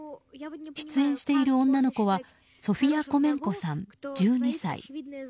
出演している女の子はソフィア・コメンコさん、１２歳。